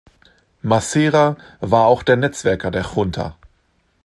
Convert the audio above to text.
Massera war auch der Netzwerker der Junta.